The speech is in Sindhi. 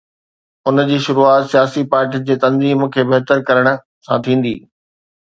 ان جي شروعات سياسي پارٽين جي تنظيم کي بهتر ڪرڻ سان ٿيندي.